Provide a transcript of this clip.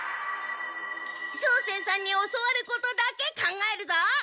照星さんに教わることだけ考えるぞ！